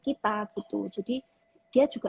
kita gitu jadi dia juga